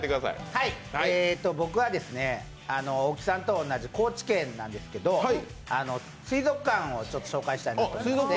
僕は大木さんと同じ高知県なんですけど、水族館を紹介したいなと。